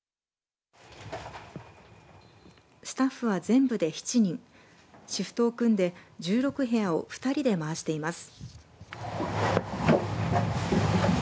スタッフは全部で７人シフトを組んで１６部屋を２人で回しています。